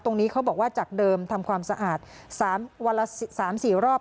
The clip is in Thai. ตรงนี้เขาบอกว่าจากเดิมทำความสะอาดสามวันละสิบสามสี่รอบ